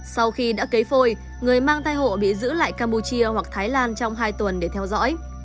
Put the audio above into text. sau khi đã cấy phôi người mang thai hộ bị giữ lại campuchia hoặc thái lan trong hai tuần để theo dõi